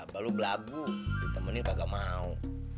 lalu belagu ditemenin kagak mau